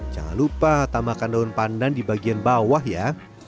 jangan lupa tambahkan daun pandan di bagian bawah ya